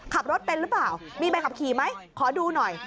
ขับรถเป็นหรือเปล่ามีใบขับขี่ไหมขอดูหน่อย